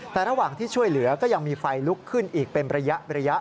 แต่ระหว่างที่ช่วยเหลือก็ยังมีไฟลุกขึ้นอีกเป็นระยะ